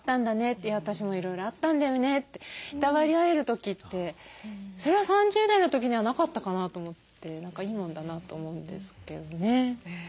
私もいろいろあったんだよね」っていたわり合える時ってそれは３０代の時にはなかったかなと思っていいもんだなと思うんですけどね。